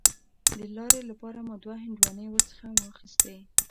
د لارې لپاره مو دوه هندواڼې ورڅخه واخیستې.